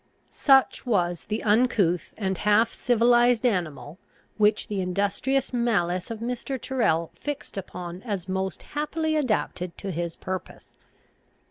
Such was the uncouth and half civilised animal, which the industrious malice of Mr. Tyrrel fixed upon as most happily adapted to his purpose.